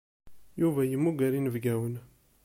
Yuba yemmuger inebgiwen.